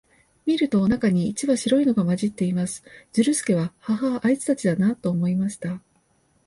見ると、中に一羽白いのが混じっています。ズルスケは、ハハア、あいつたちだな、と思いました。